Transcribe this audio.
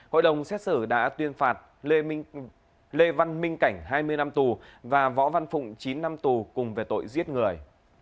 hội đồng xét xử đã tuyên phạt lê văn minh cảnh hai mươi năm tù và võ văn phụng chín năm tù cùng về tội giết người